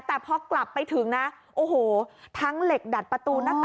แต่พอกลับไปถึงนะโอ้โหทั้งเหล็กดัดประตูหน้าต่าง